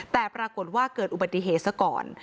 แต่ปรากฏว่าเกิดอุบัติเหตุซะก่อน